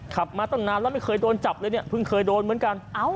มาตั้งนานแล้วไม่เคยโดนจับเลยเนี่ยเพิ่งเคยโดนเหมือนกัน